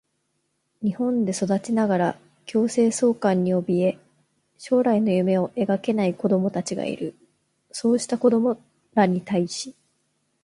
日本で育ちながら強制送還におびえ、将来の夢を描けない子どもたちがいる。そうした子どもらに対し、